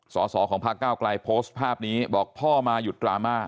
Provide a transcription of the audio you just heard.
สอสอของพักเก้าไกลโพสต์ภาพนี้บอกพ่อมาหยุดดราม่า